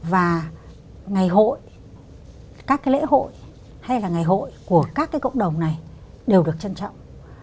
và ngày hội các cái lễ hội hay là ngày hội của các cái cộng đồng này đều được trân trọng